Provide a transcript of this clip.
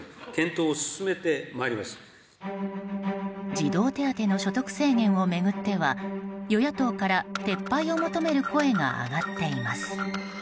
児童手当の所得制限を巡っては与野党から撤廃を求める声が上がっています。